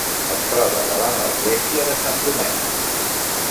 Es troba davant l'església de Sant Domènec.